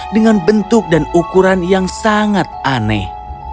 dengan bentuk dan ukuran yang sangat aneh